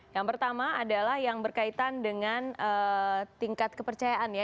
yang pertama adalah yang berkaitan dengan tingkat kepercayaan ya